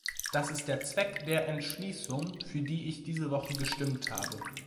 Das ist der Zweck der Entschließung, für die ich diese Woche gestimmt habe.